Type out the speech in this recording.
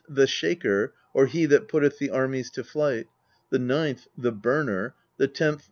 The Shaker, or He that Putteth the Armies to Flight; the ninth. The Burner; the tenth.